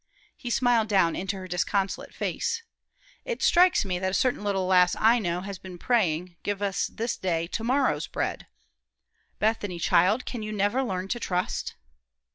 He smiled down into her disconsolate face. "It strikes me that a certain little lass I know has been praying, 'Give us this day our to morrow's bread.' O Bethany, child, can you never learn to trust?"